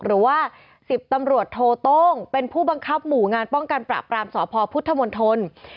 หรือว่า๑๐ตำรวจโทโต้งเป็นผู้บังคับหมู่งานป้องกันปราบปรามสพพุทธมนตร